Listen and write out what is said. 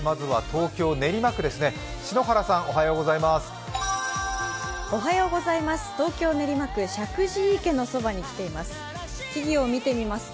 東京・練馬区、石神井池のそばに来ています。